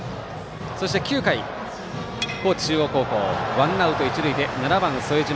そして９回、高知中央高校ワンアウト、一塁で７番、副島。